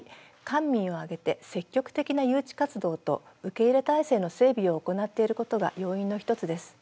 官民を挙げて積極的な誘致活動と受け入れ体制の整備を行っていることが要因の一つです。